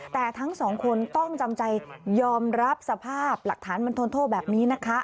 แต่ทั้งสองคนต้องจำใจยอมรับสภาพหลักฐานบันทนโทษแบบนี้นะคะ